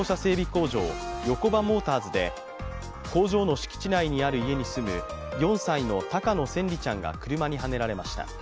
工場ヨコバモーターズで工場の敷地内にある家に住む４歳の高野千椋ちゃんが車にはねられました。